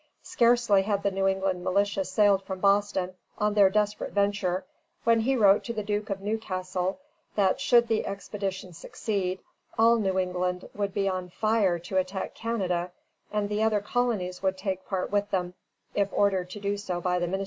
Scarcely had the New England militia sailed from Boston on their desperate venture, when he wrote to the Duke of Newcastle that should the expedition succeed, all New England would be on fire to attack Canada, and the other colonies would take part with them, if ordered to do so by the ministry.